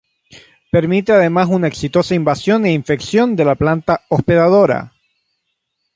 Permite además una exitosa invasión e infección de la planta hospedadora.